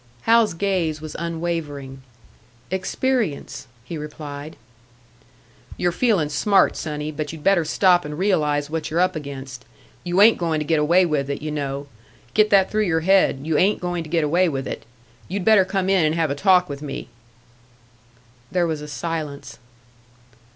Hal's gaze was unwavering. "Experience," he replied. "You're feeling smart, sonny. But you'd better stop and realise what you're up against. You ain't going to get away with it, you know; get that through your head you ain't going to get away with it. You'd better come in and have a talk with me." There was a silence.